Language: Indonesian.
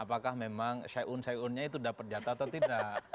apakah memang syaiun syaiunnya itu dapat jatah atau tidak